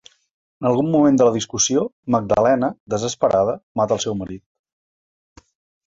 En algun moment de la discussió, Magdalena, desesperada, mata al seu marit.